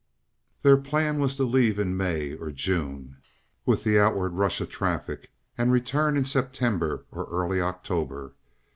Their plan was to leave in May or June with the outward rush of traffic, and return in September or early October.